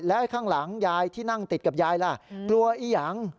แล้วข้างหลังยายที่นั่งติดกับยายล่ะกลัวอียัง